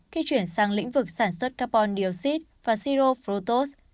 khi chuyển sang lĩnh vực sản xuất carbon dioxide và sirofrotose